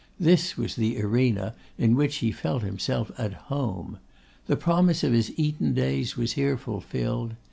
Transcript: This was the arena in which he felt himself at home. The promise of his Eton days was here fulfilled.